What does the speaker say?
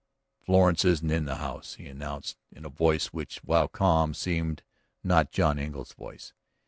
"Florence isn't in the house," he announced in a voice which, while calm, seemed not John Engle's voice.